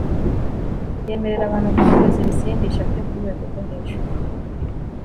yemerera abantu gucuruza ibisindisha byo ku rwego rwo hejuru